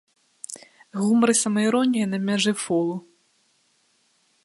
Гумар і самаіронія на мяжы фолу.